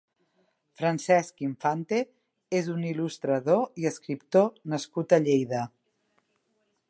Francesc Infante és un il·lustrador i escriptor nascut a Lleida.